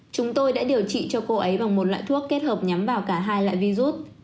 chúng tôi đã điều trị cho cô ấy bằng một loại thuốc kết hợp nhắm vào cả hai loại virus